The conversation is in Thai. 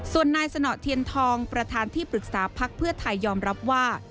ส่วนนายสนเทียนทองประธานที่ปรึกษาพักเพื่อไทยยอมรับว่า